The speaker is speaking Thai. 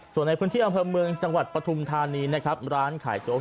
ส่วนในพื้นที่อำเภนเมืองจังหวัดพระธุมธานีร้านขายโจ๊ก